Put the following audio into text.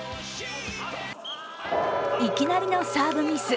いきなりのサーブミス。